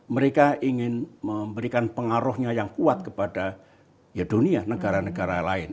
mereka ingin memberikan pengaruhnya yang kuat kepada dunia negara negara lain